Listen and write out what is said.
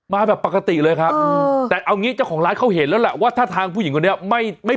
มาแบบปกติเลยครับแต่เอางี้เจ้าของร้านเขาเห็นแล้วแหละว่าถ้าทางผู้หญิงคนนี้ไม่ไม่